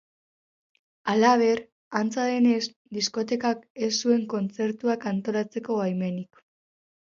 Halaber, antza denez, diskotekak ez zuen kontzertuak antolatzeko baimenik.